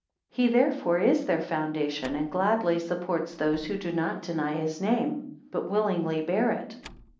He therefore is their foundation, and gladly supports those who do not deny his name, but willingly bear it.